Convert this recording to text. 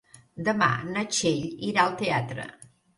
Demà na Txell irà al teatre.